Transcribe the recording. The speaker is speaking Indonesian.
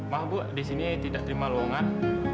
maaf bu di sini tidak terima lowongan